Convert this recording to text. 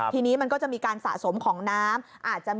ทีนี้มันก็จะมีการสะสมของน้ำอาจจะ